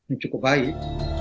ini cukup baik